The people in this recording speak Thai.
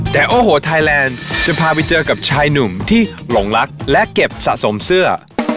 แต่โอ้โหไทยแลนด์จะพาไปเจอกับชายหนุ่มที่หลงรักและเก็บสะสมเสื้อ